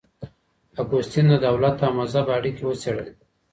اګوستين د دولت او مذهب اړيکي وڅېړلې.